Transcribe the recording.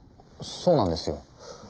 そうなんですよ。